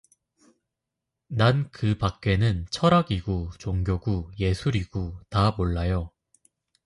난 그 밖에는 철학이구 종교구 예술이구 다 몰라요.